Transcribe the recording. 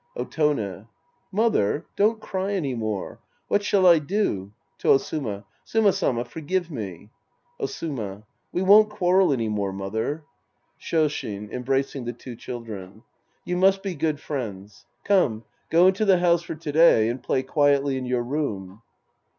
Otone. Mother. Don't cry any more. What shall I do ? (To OsuMA.) Suma Sama, forgive me. Osuma. We won't quarrel any more, mother. SKoshin {embracing the two children). You must be good friends. Come, go into the house for to day and play quietly in your room.